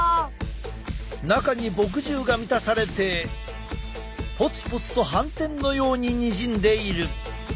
中に墨汁が満たされてポツポツと斑点のようににじんでいる。